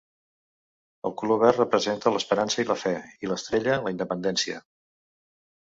El color verd representa l'esperança i la fe, i l'estrella, la independència.